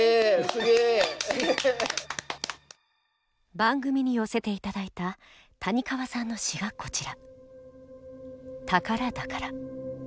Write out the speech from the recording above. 番組に寄せて頂いた谷川さんの詩がこちら。